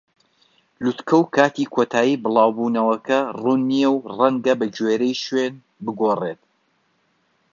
لووتکە و کاتی کۆتایی بڵاو بوونەوەکە ڕوون نین و ڕەنگە بەگوێرەی شوێن بگۆڕێت.